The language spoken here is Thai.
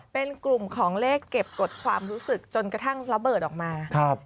เป็นกลุ่มของเลขเก็บกฎความรู้สึกจนกระทั่งระเบิดออกมา